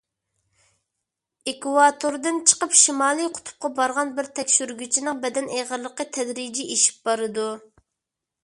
ئېكۋاتوردىن چىقىپ شىمالىي قۇتۇپقا بارغان بىر تەكشۈرگۈچىنىڭ بەدەن ئېغىرلىقى تەدرىجىي ئېشىپ بارىدۇ.